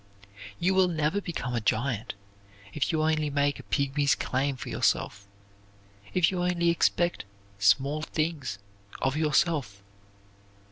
You will never become a giant if you only make a pygmy's claim for yourself; if you only expect small things of yourself.